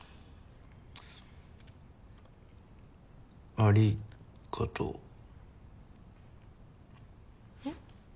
ありがとう。えっ？